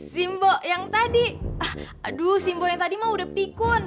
simbol yang tadi aduh simbol yang tadi mah udah pikun